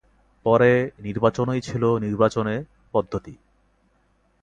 পরে নির্বাচনই ছিল নির্বাচনের পদ্ধতি।